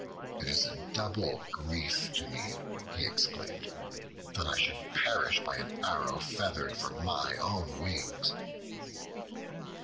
"It is a double grief to me," he exclaimed, "that I should perish by an arrow feathered from my own wings."